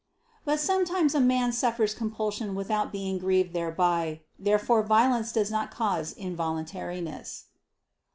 But sometimes a man suffers compulsion without being grieved thereby. Therefore violence does not cause involuntariness.